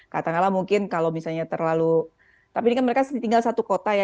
katakanlah mungkin kalau misalnya terlalu tapi ini kan mereka tinggal satu kota ya